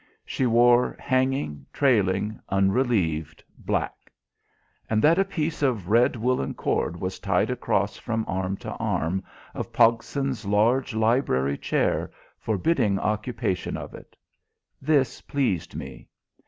She wore hanging, trailing, unrelieved black. And that a piece of red woollen cord was tied across, from arm to arm, of Pogson's large library chair, forbidding occupation of it. This pleased me.